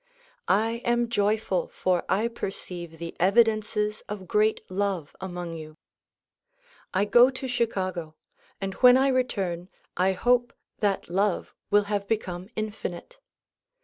I am joyful for I perceive the evidences of great love among you. I go to Chicago and when I return I hope that love will have become infinite.